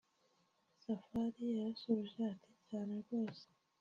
Safari yarasubije ati "cyane rwose